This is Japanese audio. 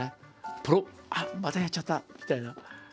ポロッあっまたやっちゃったみたいな。